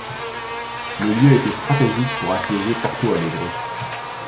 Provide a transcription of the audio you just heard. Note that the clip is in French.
Le lieu était stratégique pour assiéger Porto Alegre.